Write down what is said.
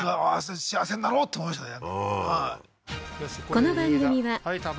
幸せになろうって思いましたね